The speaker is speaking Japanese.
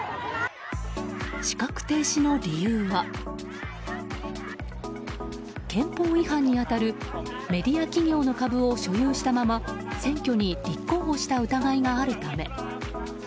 資格停止の理由は憲法違反に当たるメディア企業の株を所有したまま選挙に立候補した疑いがあるため。